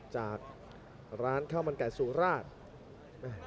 จากร้านข้าวมันไก่สุราช